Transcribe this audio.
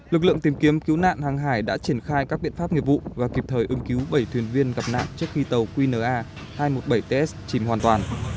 lực lượng tìm kiếm cứu nạn hàng hải đã triển khai các biện pháp nghiệp vụ và kịp thời ứng cứu bảy tuyển viên gặp nạn trước khi tàu qna hai nghìn một trăm bảy mươi sáu ts chìm hoàn toàn